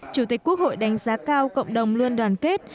chủ tịch quốc hội đánh giá cao cộng đồng luôn đoàn kết